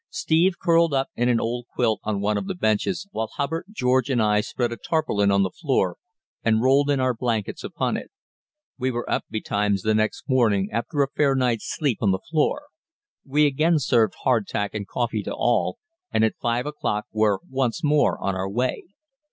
Steve curled up in an old quilt on one of the benches, while Hubbard, George and I spread a tarpaulin on the floor and rolled in our blankets upon it. We were up betimes the next morning after a fair night's sleep on the floor. We again served hardtack and coffee to all, and at five o'clock were once more on our way.